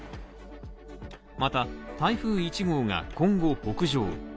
また、台風１号が今後、北上。